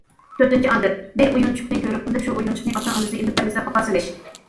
تۆتىنچى ئادەت: بىر ئويۇنچۇقنى كۆرۈپ قېلىپ، شۇ ئويۇنچۇقنى ئاتا- ئانىسى ئېلىپ بەرمىسە، خاپا سېلىش.